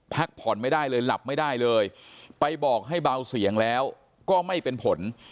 พักผ่อนไม่ได้เลยหลับไม่ได้เลยไปบอกให้เบาเสียงแล้วก็ไม่เป็นผล